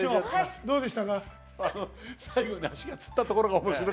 どうでしたか？